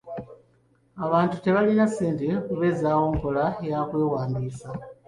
Abantu tebalina ssente kubeezawo nkola y'okwewandiisa.